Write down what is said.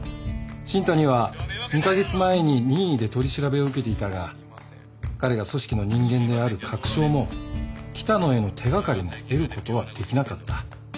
新谷は２カ月前に任意で取り調べを受けていたが彼が組織の人間である確証も喜多野への手掛かりも得ることはできなかった。